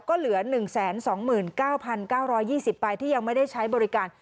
ก็เหลือ๑๒๙๙๒๐ใบที่ยังไม่ได้ใช้บริการ